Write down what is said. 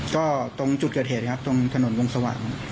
ก็ตรงจุดเกิดเหตุครับตรงถนนวงสว่าง